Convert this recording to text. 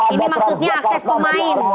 ini maksudnya akses pemain